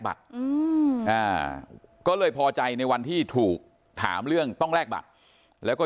บัตรก็เลยพอใจในวันที่ถูกถามเรื่องต้องแลกบัตรแล้วก็